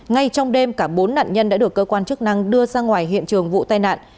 ngay trong đêm cả bốn nạn nhân đã được cơ quan chức năng đưa ra ngoài hiện trường vụ tai nạn